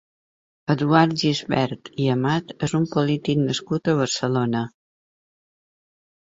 Eduard Gisbert i Amat és un polític nascut a Barcelona.